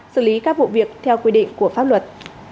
xử lý các vụ việc theo quy định của pháp luật